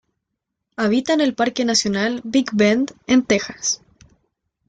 Habita en el Parque Nacional Big Bend en Texas.